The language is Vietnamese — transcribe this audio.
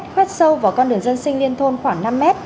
khoét sâu vào con đường dân sinh liên thôn khoảng năm mét